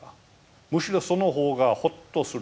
むしろその方がほっとするんですね。